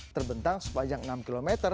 terbentang sepanjang enam km